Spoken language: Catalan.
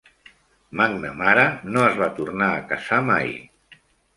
McNamara no es va tornar a casar mai.